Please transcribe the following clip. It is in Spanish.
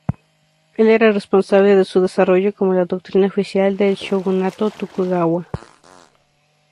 Él era responsable de su desarrollo como la doctrina oficial del shogunato Tokugawa.